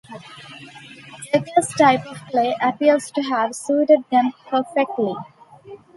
Dekker's type of play appears to have suited them perfectly.